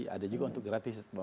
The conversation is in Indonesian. ada juga untuk gratis